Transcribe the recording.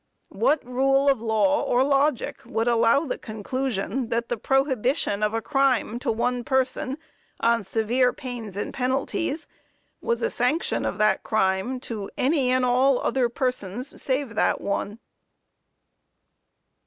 What rule of law or logic would allow the conclusion, that the prohibition of a crime to one person, on severe pains and penalties, was a sanction of that crime to any and all other persons save that one?